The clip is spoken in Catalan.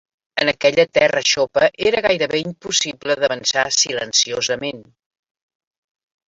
En aquella terra xopa era gairebé impossible d'avançar silenciosament.